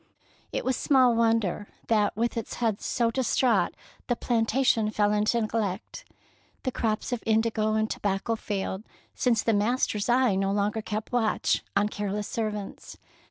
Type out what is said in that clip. It was small wonder that with its head so distraught the plantation fell into neglect. The crops of indigo and tobacco failed, since the master's eye no longer kept watch on careless servants.